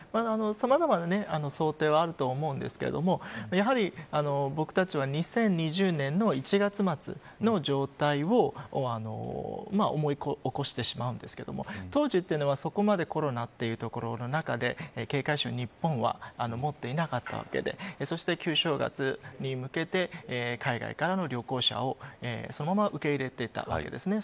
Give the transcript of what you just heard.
さまざまな想定はあると思うんですけどやはり、僕たちは２０２０年の１月末の状態を思い起こしてしまうんですけれども当時というのはそこまでコロナというところの中で警戒心を、日本は持っていなかったわけでそして、旧正月に向けて海外からの旅行者をそのまま受け入れていたわけですね。